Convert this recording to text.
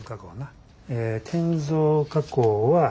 え転造加工は。